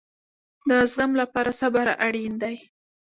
د زغم لپاره صبر اړین دی